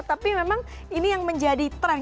tapi memang ini yang menjadi tren